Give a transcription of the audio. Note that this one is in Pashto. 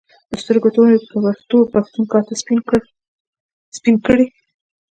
د سترګو تور مې په پښتو پښتون کاته سپین کړي